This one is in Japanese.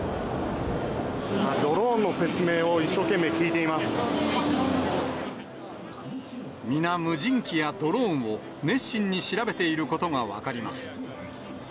ドローンの説明を一生懸命聞いて皆、無人機やドローンを熱心に調べていることが分かります。